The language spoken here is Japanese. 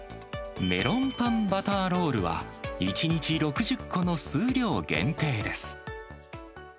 メロンパンバターロールは、１日６０個の数量限定です。